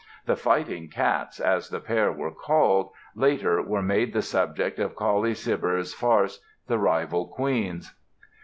The "fighting cats", as the pair were called, later were made the subject of Colley Cibber's farce, "The Rival Queens".